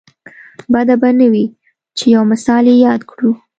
بده به نه وي چې یو مثال یې یاد کړو.